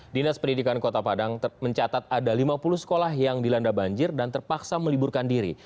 dinas pendidikan kota padang mencatat ada lima puluh sekolah yang dilanda banjir dan terpaksa meliburkan diri